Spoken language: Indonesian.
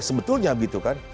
sebetulnya gitu kan